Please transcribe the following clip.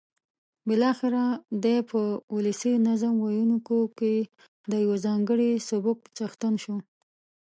بالاخره دی په ولسي نظم ویونکیو کې د یوه ځانګړي سبک څښتن شو.